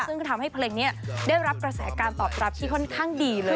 ซึ่งก็ทำให้เพลงนี้ได้รับกระแสการตอบรับที่ค่อนข้างดีเลย